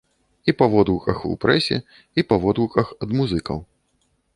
І па водгуках у прэсе, і па водгуках ад музыкаў.